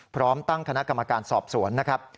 พร้อมตั้งคณะกรรมการสอบสวนนะครับ